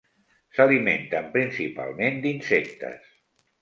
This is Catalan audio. S'alimenten principalment d'insectes.